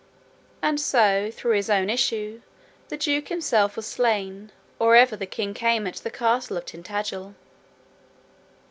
And so, through his own issue, the duke himself was slain or ever the king came at the castle of Tintagil.